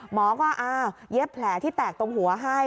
หมอก็อ้าวเย็บแผลที่แตกตรงหัวให้